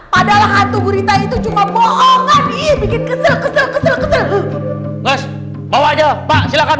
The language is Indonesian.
pada lalu burita itu cuma bohongan bikin kesel kesel kesel kesel bawa aja pak silakan